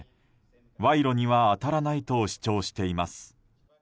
賄賂には当たらないと主張しています。